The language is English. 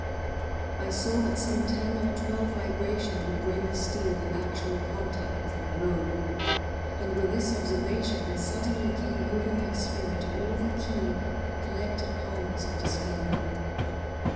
I saw that some ten or twelve vibrations would bring the steel in actual contact with my robe, and with this observation there suddenly came over my spirit all the keen, collected calmness of despair.